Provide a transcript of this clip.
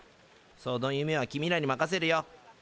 その夢は君らに任せるよ。